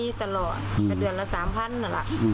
มีตลอดประมาณเดือดละ๓พันนะล่ะ